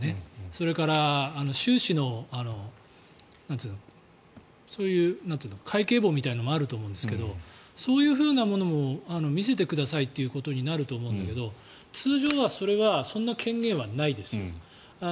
それから収支の会計簿みたいなものもあると思うんですがそういうふうなものを見せてくださいということになると思うんだけど通常は、それはそんな権限はないですよ。